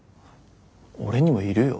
俺にもいるよ